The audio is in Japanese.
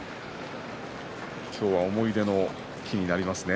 今日は思い出の日になりますね。